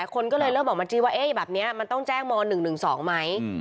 คนก็เลยเริ่มออกมาจี้ว่าแบบนี้มันต้องแจ้งม๑๑๒ไหม